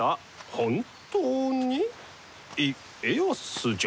本当に家康じゃ。